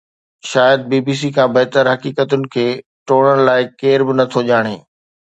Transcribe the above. شايد B B C کان بهتر حقيقتن کي ٽوڙڻ لاءِ ڪير به نٿو ڄاڻي